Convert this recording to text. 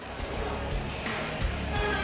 โปรดติดตามตอนต่อไป